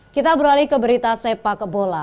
kita beralih ke berita sepak bola